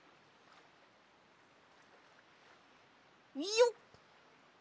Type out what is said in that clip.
よっ！